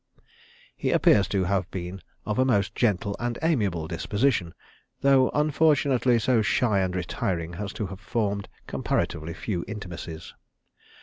He appears to have been of a most gentle and amiable disposition, though unfortunately so shy and retiring as to have formed comparatively very few intimacies.